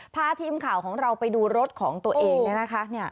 พาทีมข่าวของเราไปดูรถของตัวเองเนี่ยนะคะ